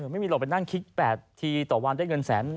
ไม่มีหรอกไปนั่งคิด๘ทีต่อวันได้เงินแสน